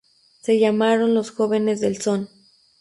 Se llamaron "Los Jóvenes del Son".